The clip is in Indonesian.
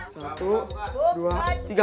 satu dua tiga